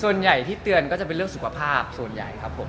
ส่วนใหญ่ที่เตือนก็จะเป็นเรื่องสุขภาพส่วนใหญ่ครับผม